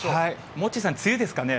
モッチーさん、梅雨ですかね？